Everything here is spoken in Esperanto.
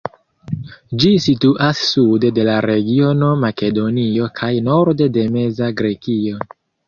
Ĝi situas sude de la regiono Makedonio kaj norde de Meza Grekio.